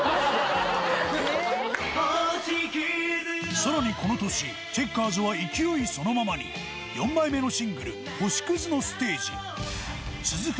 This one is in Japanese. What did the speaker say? さらにこの年チェッカーズは勢いそのままに４枚目のシングル『星屑のステージ』続く